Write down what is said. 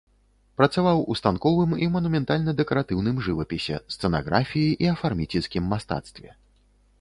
Працаваў у станковым і манументальна-дэкаратыўным жывапісе, сцэнаграфіі і афарміцельскім мастацтве.